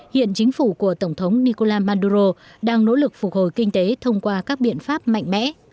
hiện chính phủ của tổng thống nicola maduro đang nỗ lực phục hồi kinh tế thông qua các biện pháp mạnh mẽ